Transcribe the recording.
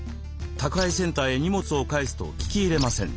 宅配センターへ荷物を返す」と聞き入れません。